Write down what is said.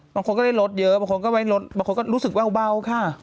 บางคนก็ได้ลดเยอะบางคนก็รู้สึกเว้าค่ะ